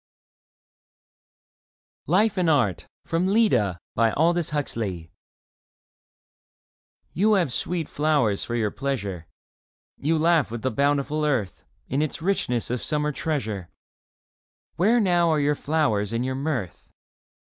ed. And you are gone. 30 Leda LIFE AND ART YOU have sweet flowers for your pleasure ; You laugh with the bountiful earth In its richness of summer treasure : Where now are your flowers and your mirth